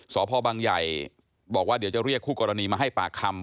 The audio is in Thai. สพบังใหญ่บอกว่าเดี๋ยวจะเรียกคู่กรณีมาให้ปากคำ